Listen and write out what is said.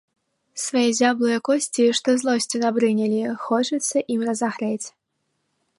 Свае зяблыя косці, што злосцю набрынялі, хочацца ім разагрэць.